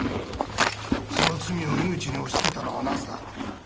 その罪を井口に押し付けたのはなぜだ？